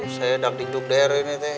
saya sudah duduk di daerah ini teh